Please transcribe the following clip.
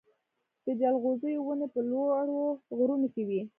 د جلغوزیو ونې په لوړو غرونو کې وي.